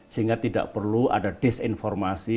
sehingga tidak perlu ada disinformasi